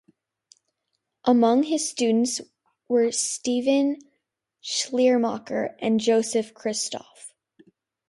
Among his students were Steffen Schleiermacher and Josef Christof.